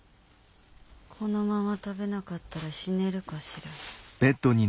このまま食べなかったら死ねるかしら。